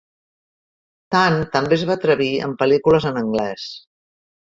Tan també es va atrevir amb pel·lícules en anglès.